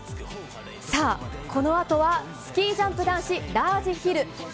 このあとは、スキージャンプ男子ラージヒル。